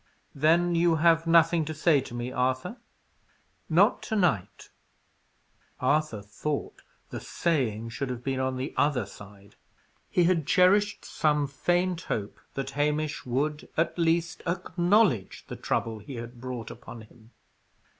"Then you have nothing to say to me, Arthur?" "Not to night." Arthur thought the "saying" should have been on the other side. He had cherished some faint hope that Hamish would at least acknowledge the trouble he had brought upon him.